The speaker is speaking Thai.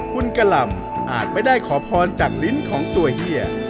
คุณกะหล่ำอาจไม่ได้ขอพรจากลิ้นของตัวเฮีย